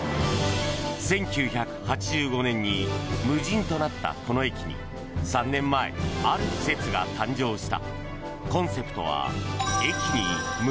１９８５年に無人となったこの駅に３年前、ある施設が誕生した。